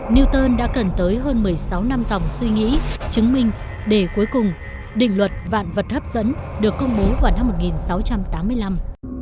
newton đã cần tới hơn một mươi sáu năm dòng suy nghĩ chứng minh để cuối cùng định luật vạn vật hấp dẫn được công bố vào năm một nghìn sáu trăm tám mươi năm